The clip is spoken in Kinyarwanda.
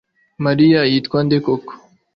mariya yitwa nde koko